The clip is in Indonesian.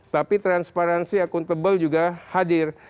tapi transparansi akuntabel juga hadir